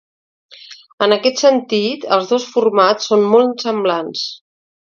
En aquest sentit, els dos formats són molt semblants.